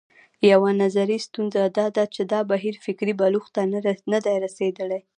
یوه نظري ستونزه دا ده چې دا بهیر فکري بلوغ ته نه دی رسېدلی.